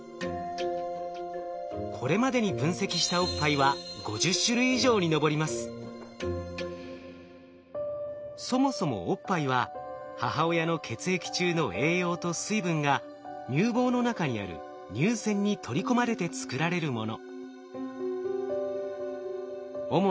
これまでに分析したおっぱいはそもそもおっぱいは母親の血液中の栄養と水分が乳房の中にある乳腺に取り込まれて作られるもの。